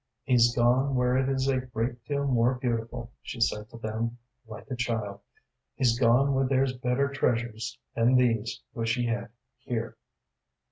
"He's gone where it is a great deal more beautiful," she said to them, like a child. "He's gone where there's better treasures than these which he had here."